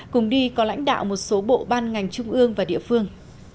cùng đi có lãnh đạo một số bộ ban ngành trung ương và địa phương